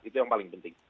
itu yang paling penting